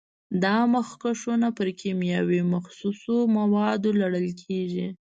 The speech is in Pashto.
دا مخکشونه پر کیمیاوي مخصوصو موادو لړل کېږي.